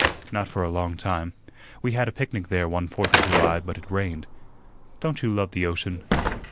"Not for a long time. We had a picnic there one Fourth of July, but it rained. Don't you love the ocean?"